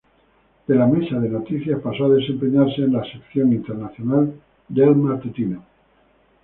De la Mesa de Noticias pasó a desempeñarse en la sección Internacionales del matutino.